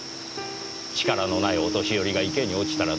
力のないお年寄りが池に落ちたらどうなるか。